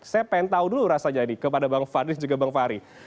saya pengen tahu dulu rasanya ini kepada bang fahri dan juga bang fahri